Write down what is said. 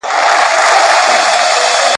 زه شاهد يم